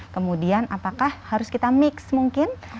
kemudian apakah harus kita mix mungkin